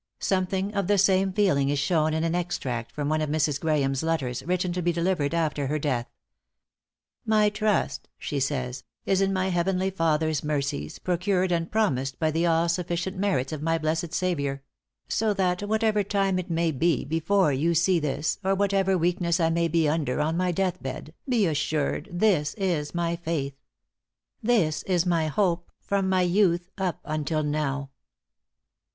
Something of the same feeling is shown in an extract from one of Mrs. Graeme's letters, written to be delivered after her death: "My trust," she says, "is in my heavenly Father's mercies, procured and promised by the all sufficient merits of my blessed Saviour; so that whatever time it may be before you see this, or whatever weakness I may be under on my death bed, be assured this is my faith this is my hope from my youth up until now."